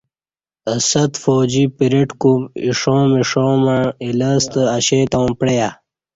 اہ صد فوجی پریڈ کُوم اِیݜاں مݜاں مع اِ یݪستہ اشے تاوں پعیہ